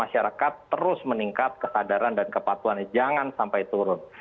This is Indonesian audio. yang ketiga kemampuan kemampuan yang meningkat kesadaran dan kepatuannya jangan sampai turun